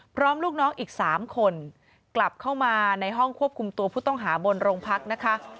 ลูกน้องอีก๓คนกลับเข้ามาในห้องควบคุมตัวผู้ต้องหาบนโรงพักนะคะ